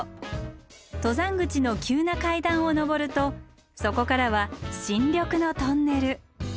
登山口の急な階段を登るとそこからは新緑のトンネル。